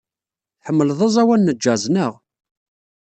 Tḥemmled aẓawan n jazz, naɣ?